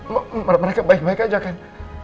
mbak mereka baik baik aja kan